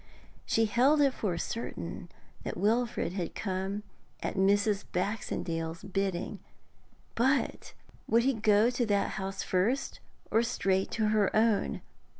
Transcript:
She held it for certain that Wilfrid had come at Mrs. Baxendale's bidding. But would he go to that house first, or straight to her own?